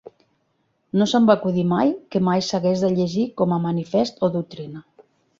No se'm va acudir mai que mai s'hagués de llegir com a manifest o doctrina.